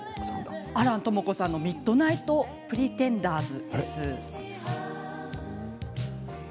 亜蘭知子さんの「ＭｉｄｎｉｇｈｔＰｒｅｔｅｎｄｅｒｓ」。